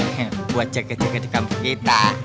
buat jaga jaga di kampung kita